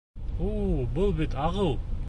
У-у, был бит ағыу!